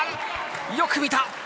よく見た！